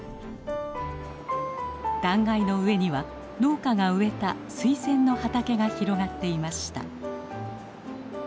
断崖の上には農家が植えたスイセンの畑が広がっていました。